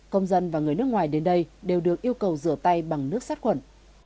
công dân và người nước ngoài đến đây đều được yêu cầu rửa tay bằng nước sát khuẩn